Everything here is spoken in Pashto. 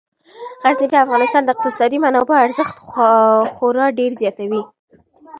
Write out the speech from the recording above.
غزني د افغانستان د اقتصادي منابعو ارزښت خورا ډیر زیاتوي.